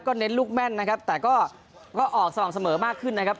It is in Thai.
เน้นลูกแม่นนะครับแต่ก็ออกสม่ำเสมอมากขึ้นนะครับ